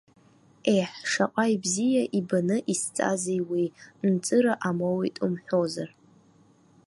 Еҳ, шаҟа бзиа ибаны исҵази уи, нҵыра амоуит умҳәозар.